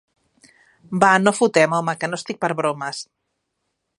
Va, no fotem, home, que no estic per bromes!